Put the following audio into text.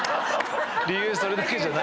それだけじゃない。